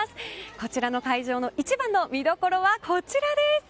こちらの会場の一番の見どころはこちらです。